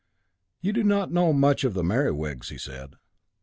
'You do not know much of the Merewigs,' he said.